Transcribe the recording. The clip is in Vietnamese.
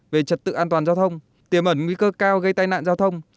về trật tự an toàn giao thông tiềm ẩn nguy cơ cao gây tai nạn giao thông